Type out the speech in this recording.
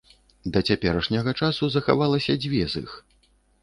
Да цяперашняга часу захаваліся дзве з іх.